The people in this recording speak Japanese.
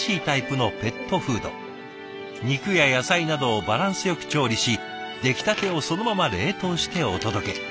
肉や野菜などをバランスよく調理し出来たてをそのまま冷凍してお届け。